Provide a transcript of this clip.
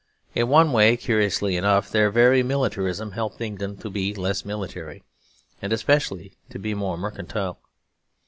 In one way, curiously enough, their very militarism helped England to be less military; and especially to be more mercantile.